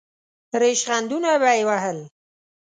ریشخندونه به یې وهل.